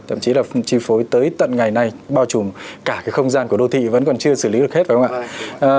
thậm chí là chi phối tới tận ngày nay bao trùm cả cái không gian của đô thị vẫn còn chưa xử lý được hết phải không ạ